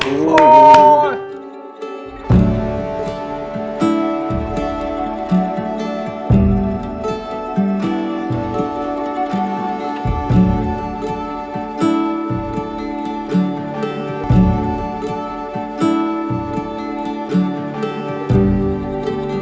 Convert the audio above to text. คุยกันได้ทุกวันจันทร์